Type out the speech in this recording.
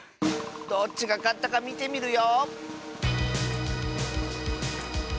どっちがかったかみてみるよ。